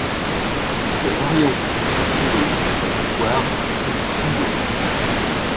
La variante du bourdelot utilisant la poire s’appelle le douillon.